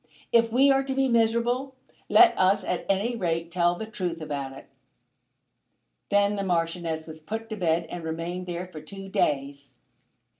If we are to be miserable, let us at any rate tell the truth about it." Then the Marchioness was put to bed and remained there for two days.